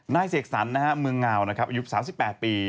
นายเสกสรรมึงงาวอายุ๓๘ปี